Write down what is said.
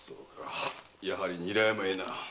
やはり韮山へな。